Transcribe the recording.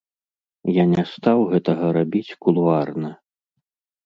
Я не стаў гэтага рабіць кулуарна.